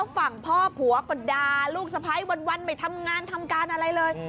ฝั่งพ่อผัวก็ด่าลูกสะพ้ายวันไม่ทำงานทำการอะไรเลย